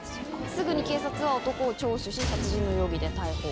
すぐに警察は男を聴取し殺人の容疑で逮捕。